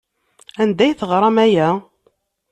Anda ay teɣram aya?